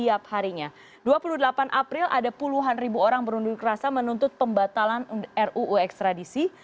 dua puluh delapan april ada puluhan ribu orang berunjuk rasa menuntut pembatalan ruu ekstradisi